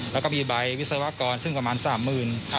แล้วก็มีใบวิศวะกรซึ่งประมาณสามหมื่น